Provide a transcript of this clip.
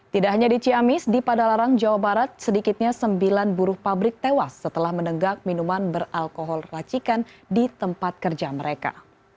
tidak hanya di ciamis di padalarang jawa barat sedikitnya sembilan buruh pabrik tewas setelah menenggak minuman beralkohol racikan di tempat kerja mereka